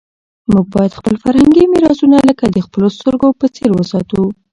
موږ باید خپل فرهنګي میراثونه لکه د خپلو سترګو په څېر وساتو.